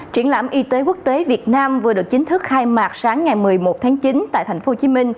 triển lãm y tế quốc tế việt nam vừa được chính thức khai mạc sáng ngày một mươi một tháng chín tại tp hcm